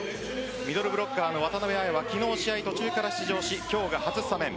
ミドルブロッカーの渡邊彩は昨日、試合途中から出場し今日が初スタメン。